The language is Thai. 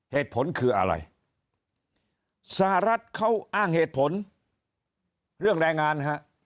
เหตุผลคืออะไรสหรัฐเขาอ้างเหตุผลเรื่องแรงงานฮะ